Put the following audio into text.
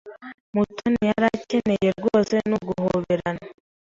Mutoni yari akeneye rwose ni uguhobera.